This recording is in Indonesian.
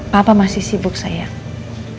papa masih sibuk sayang